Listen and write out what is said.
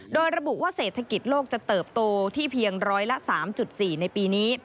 โดยระบุว่าเศรษฐกิจโลกจะเติบโตที่เพียงร้อยละ๓๔ในปีนี้